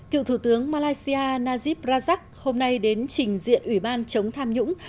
cựu thủ tướng malaysia najib rajak hôm nay đến trình diện ủy ban chống tham nhũng